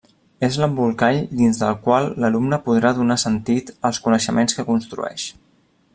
És l'embolcall dins del qual l'alumne podrà donar sentit als coneixements que construeix.